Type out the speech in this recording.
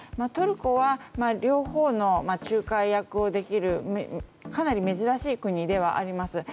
トルコは両方の仲介役をできるかなり珍しい国ではあります。